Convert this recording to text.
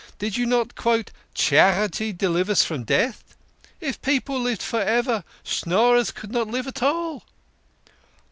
Did you not quote, ' Charity delivers from death '? If people lived for ever, Schnorrers could not live at all."